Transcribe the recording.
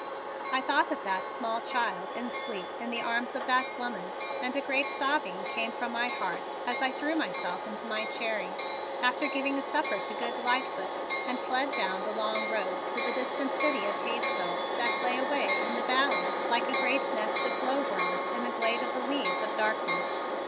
I thought of that small child in sleep in the arms of that woman, and a great sobbing came from my heart as I threw myself into my Cherry, after giving a supper to good Lightfoot, and fled down the long road to the distant city of Hayesville that lay away in the valley like a great nest of glowworms in a glade of the leaves of darkness.